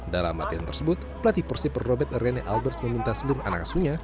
dalam latihan tersebut pelatih persib robert rene alberts meminta seluruh anak asuhnya